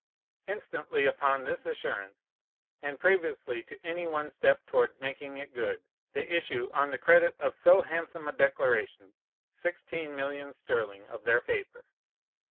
Instantly upon this assurance, and previously to any one step towards making it good, they issue, on the credit of so handsome a declaration, sixteen millions sterling of their paper.